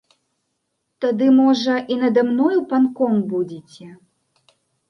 Тады, можа, і нада мною панком будзеце.